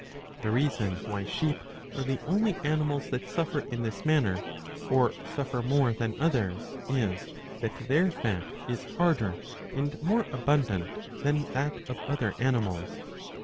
'^ The reason why sheep are the only animals that suffer in this manner, or suffer more than others, is that their fat is harder 'and more abundant than that of other animals.